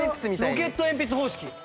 ロケット鉛筆方式。